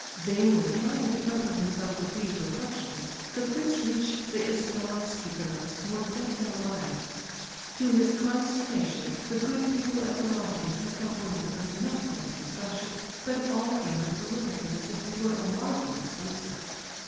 Vainly trying to comfort himself with these reflections, the prince reached the Ismailofsky barracks more dead than alive. To his consternation the good people at the lodgings had not only heard nothing of Nastasia, but all came out to look at him as if he were a marvel of some sort.